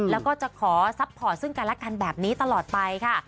แล้วก็จะขอซัพพอร์ตซึ่งกันและกันแบบนี้ตลอดไปค่ะ